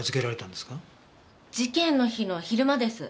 事件の日の昼間です。